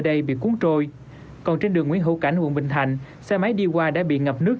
đây bị cuốn trôi còn trên đường nguyễn hữu cảnh quận bình thành xe máy đi qua đã bị ngập nước